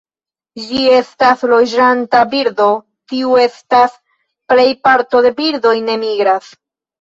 Ĝi estas loĝanta birdo, tio estas, plej parto de birdoj ne migras.